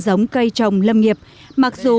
giống cây trồng lâm nghiệp mặc dù